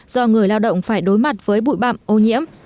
do người lao động phải đối mặt với bụi bạm ô nhiễm